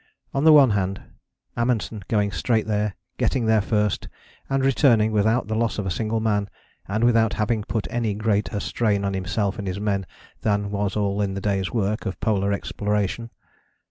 On the one hand, Amundsen going straight there, getting there first, and returning without the loss of a single man, and without having put any greater strain on himself and his men than was all in the day's work of polar exploration.